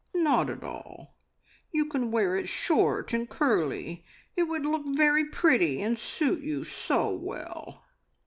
"Not at all. You can wear it short and curly. It would look very pretty, and suit you so well."